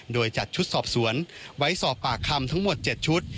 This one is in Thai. โดยจัดชุดสอบสวนไว้สอบปากคำทั้งหมด๗ชุด